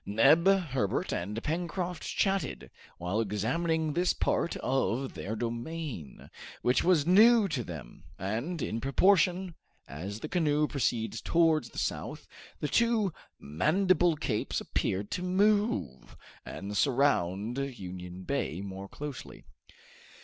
Neb, Herbert, and Pencroft chatted, while examining this part of their domain, which was new to them, and, in proportion as the canoe proceeded towards the south, the two Mandible Capes appeared to move, and surround Union Bay more closely.